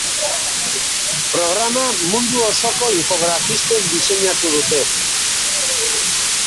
Programa mundu osoko infografistek diseinatu dute.